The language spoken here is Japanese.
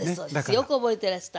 よく覚えてらした。